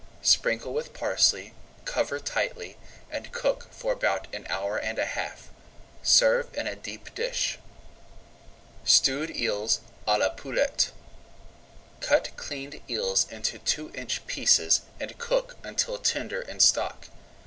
Sprinkle with parsley, cover tightly, and cook for about an hour and a half. Serve in a deep dish. STEWED EELS À LA POULETTE Cut cleaned eels into two inch pieces and cook until tender in stock.